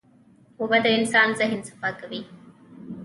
اوبه د انسان ذهن صفا کوي.